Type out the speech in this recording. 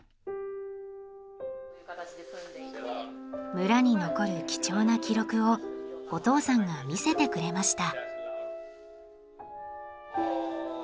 村に残る貴重な記録をお父さんが見せてくれました。